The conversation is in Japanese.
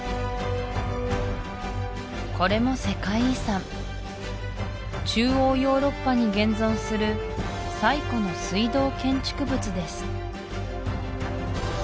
これも世界遺産中央ヨーロッパに現存する最古の水道建築物です